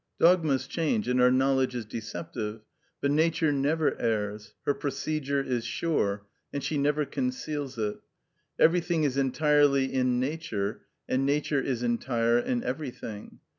Dogmas change and our knowledge is deceptive; but Nature never errs, her procedure is sure, and she never conceals it. Everything is entirely in Nature, and Nature is entire in everything.